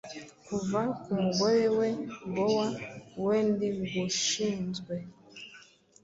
Kuva kumugore we-bower wendingushinzwe